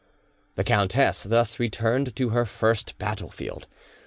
The countess thus returned to her first battlefield.